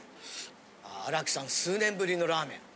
荒木さん数年ぶりのラーメン。